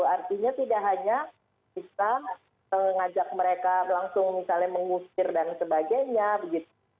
artinya tidak hanya bisa mengajak mereka langsung misalnya mengusir dan sebagainya begitu